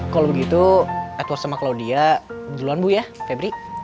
kalau begitu adward sama claudia duluan bu ya febri